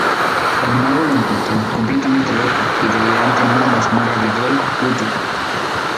El Mago lo encontró, completamente loco y delirante en una mazmorra de Dol Guldur.